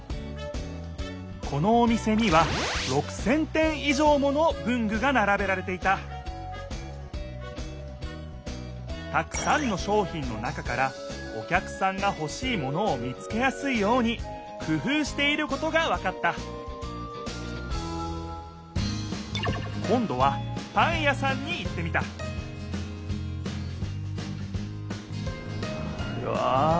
このお店には６，０００点以上もの文具がならべられていたたくさんの商品の中からお客さんがほしいものを見つけやすいようにくふうしていることがわかった今どはパン屋さんに行ってみたうわ！